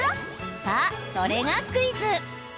さあ、それがクイズ。